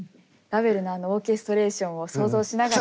ラヴェルのオーケストレーションを想像しながら。